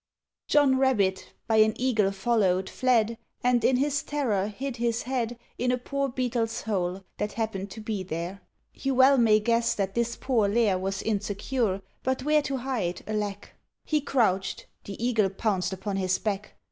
John Rabbit, by an Eagle followed, fled, And in his terror hid his head In a poor Beetle's hole, that happened to be there. You well may guess that this poor lair Was insecure; but where to hide? alack! He crouched the Eagle pounced upon his back.